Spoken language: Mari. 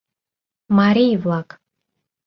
Марий-влак!